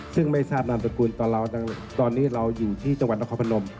ซึ่งไม่ทราบนามสกุลตอนนี้เราอยู่ที่จังหวัดนครพนม